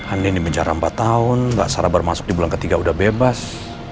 anin di penjara empat tahun gak sara bermasuk di bulan ketiga udah bebas